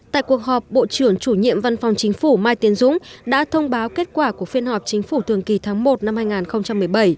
tại cuộc họp bộ trưởng chủ nhiệm văn phòng chính phủ mai tiến dũng đã thông báo kết quả của phiên họp chính phủ thường kỳ tháng một năm hai nghìn một mươi bảy